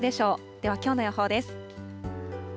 ではきょうの予報です。